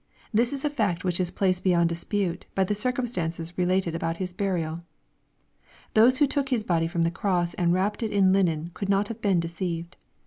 This is a fact which is placed beyond dispute, by the circumstances related about His burial. Those who took His body from the cross and wrapped it in linen, could not have been deceived.